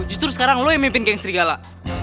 justru sekarang lo yang mimpin gang serigala